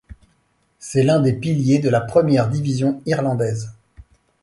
C'est l'un des piliers de la première division irlandaise.